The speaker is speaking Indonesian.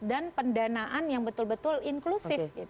dan pendanaan yang betul betul inklusif